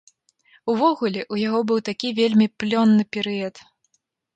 Увогуле, у яго быў такі вельмі плённы перыяд.